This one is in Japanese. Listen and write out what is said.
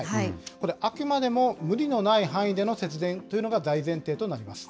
これ、あくまでも無理のない範囲での節電というのが大前提となります。